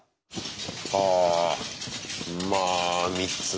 はあまあ３つね。